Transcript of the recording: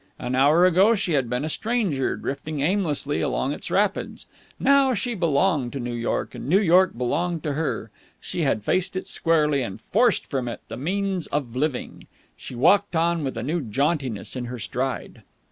An hour ago, she had been a stranger, drifting aimlessly along its rapids. Now she belonged to New York, and New York belonged to her. She had faced it squarely, and forced from it the means of living. She walked on with a new jauntiness in her stride.